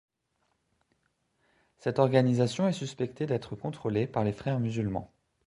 Cette organisation est suspectée d'être contrôlée par les Frères musulmans.